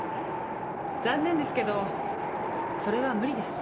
残念ですけどそれは無理です。